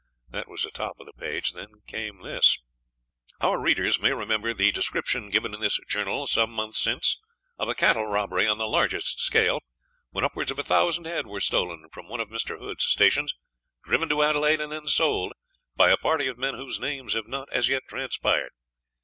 That was atop of the page, then comes this: Our readers may remember the description given in this journal, some months since, of a cattle robbery on the largest scale, when upwards of a thousand head were stolen from one of Mr. Hood's stations, driven to Adelaide, and then sold, by a party of men whose names have not as yet transpired.